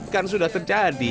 kan sudah terjadi